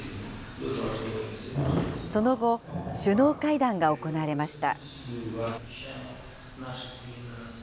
その後、首脳会談が行われました。